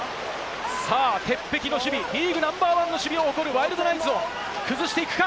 鉄壁の守備、リーグナンバーワンの守備を誇るワイルドナイツを崩していくか？